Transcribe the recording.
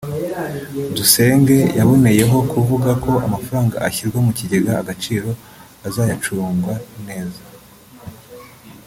Dusenge yaboneyeho kuvuga ko amafaranga ashyirwa mu kigega Agaciro azayacungwa neza